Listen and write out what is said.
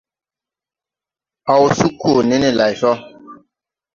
Haw sug koo ne ne lay so.